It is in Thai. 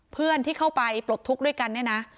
เพื่อนที่เข้าไปปลดทุกข์ด้วยกันเนี่ยนะ